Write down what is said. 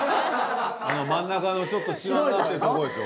あの真ん中のちょっとシワになってるとこでしょ？